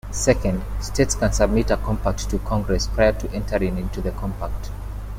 Second, states can submit a compact to Congress prior to entering into the compact.